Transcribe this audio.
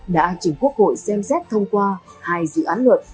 đã chính quốc hội xem xét thông qua hai dự án luật